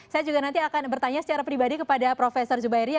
saya juga nanti akan bertanya secara pribadi kepada profesor zubairi